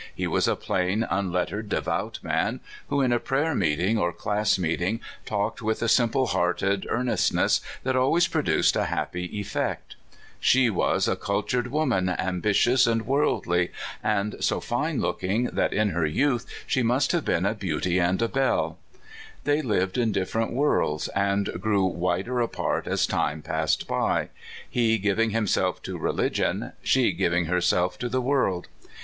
He was a plain, unlettered, devout man, who in a prayer meeting or class meeting talked with a simple hearted ear nestness that always produced a happy effect. LONE MOUNTAIN. 87 She was a cultured woman, ambitious and worldly, and so fine looking that in her youth she must have been a beauty and a belle, They lived in different worlds, and grew wider apart as time passed by he giving himself to religion, she giving her self to the w r orld.